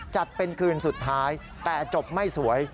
จัดเป็นคืนสุดท้ายแต่จบไม่สวย